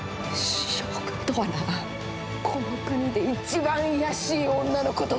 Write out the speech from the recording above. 将軍とはなこの国で一番卑しい女のことじゃ！